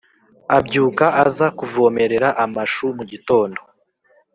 Abyuka aza kuvomerera amashu mugitondo